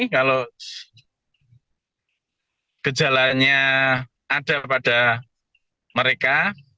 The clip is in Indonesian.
kalau gejalanya ada pada mereka